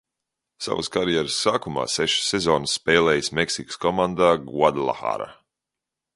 "Savas karjeras sākumā sešas sezonas spēlējis Meksikas komandā "Guadalajara"."